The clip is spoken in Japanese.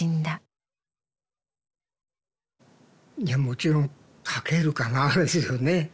いやもちろん「書けるかな」ですよね。